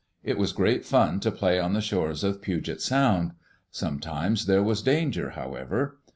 It was great fun to play on the shores of Puget Sound. Sometimes there was danger, however.